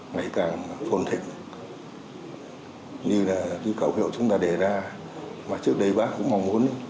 như là cái cầu hiệu chúng ta để ra mà trước đây bác cũng mong muốn